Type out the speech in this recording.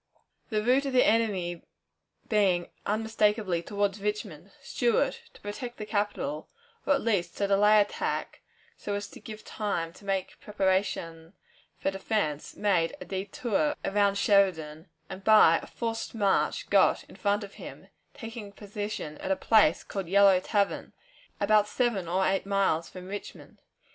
The route of the enemy being unmistakably toward Richmond, Stuart, to protect the capital, or at least to delay attack, so as to give time to make preparation for defense, made a détour around Sheridan, and by a forced march got in front of him, taking position at a place called Yellow Tavern, about seven or eight miles from Richmond.